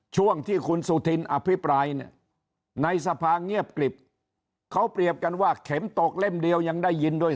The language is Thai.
ช่วงที่คุณสุธินอภิปรายในสภาเงียบกลิบเขาเปรียบกันว่า